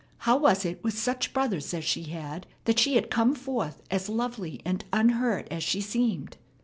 How was it, with such brothers as she had, that she had come forth as lovely and unhurt as she seemed?